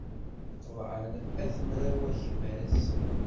Qeḍɛen At Mraw akmaz.